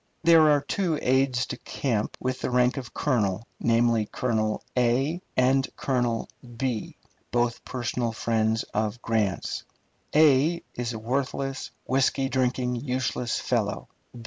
There are two aides de camp with the rank of colonel, namely, Colonel and Colonel , both personal friends of Grant's. is a worthless, whisky drinking, useless fellow.